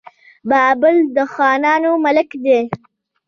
بابل د خانانو ملک دی.